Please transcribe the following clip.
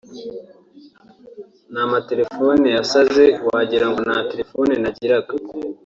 n’amatelefone yasaze wagira ngo nta telefone nagiraga